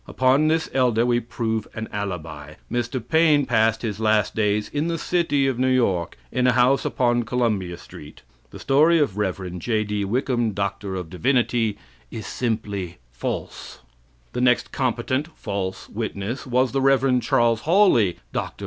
Upon this elder we prove an alibi. Mr. Paine passed his last days in the City of New York, in a house upon Columbia Street. The story of the Rev. J.D. Wickham, D.D., is simply false. The next competent false witness was the Rev. Charles Hawley, D.D.